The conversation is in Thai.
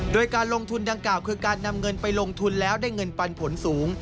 โดยการลงทุนดังกล่าวคือการนำเงินไปลงทุนแล้วได้เงินปันผลสูง